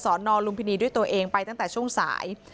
นอนลุมพินีด้วยตัวเองไปตั้งแต่ช่วงสาย